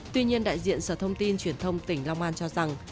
tuy nhiên đại diện sở thông tin truyền thông tỉnh long an cho rằng